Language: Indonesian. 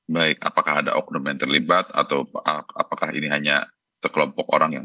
baik apakah ada oknum yang terlibat atau apakah ini hanya sekelompok orang yang